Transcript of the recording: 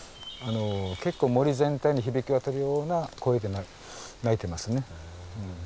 結構森全体に響き渡るような声で鳴いてますね。